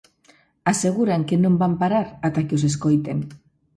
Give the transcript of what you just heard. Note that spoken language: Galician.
Aseguran que non van parar ata que os escoiten.